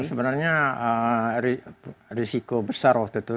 sebenarnya risiko besar waktu itu